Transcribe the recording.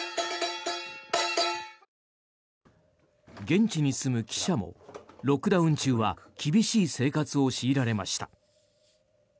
現地に住む記者もロックダウン中は厳しい生活を強いられました。